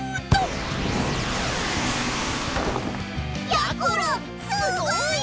やころすごい！